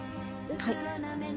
はい。